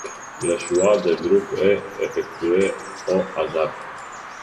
Le choix des groupes est effectué au hasard.